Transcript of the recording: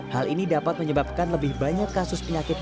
hal ini dapat menyebabkan lebih banyak kasus penyakit